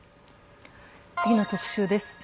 次の特集です。